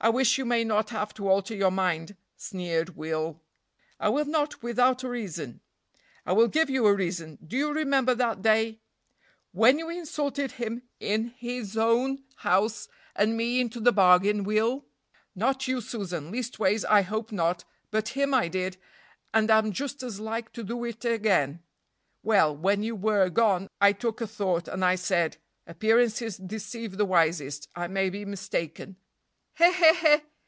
"I wish you may not have to alter your mind," sneered Will. "I will not without a reason." "I will give you a reason; do you remember that day " "When you insulted him in his own house, and me into the bargain, Will?" "Not you, Susan, leastways I hope not, but him I did, and am just as like to do it again; well, when you were gone, I took a thought, and I said, appearances deceive the wisest; I may be mistaken " "He! he!"